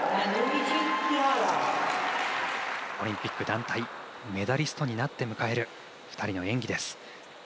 オリンピック団体メダリストになって迎える２人の演技です。